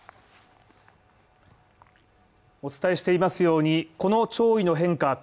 お伝えしていますように、この潮位の変化